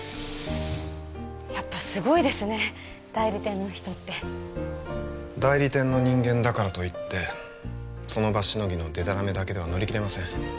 やっぱすごいですね代理店の人って代理店の人間だからといってその場しのぎのデタラメだけでは乗りきれません